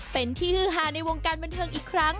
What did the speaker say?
เป็นที่ฮือฮาในวงการบันเทิงอีกครั้ง